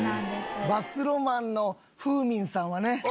バスロマンのフーミンさんはね。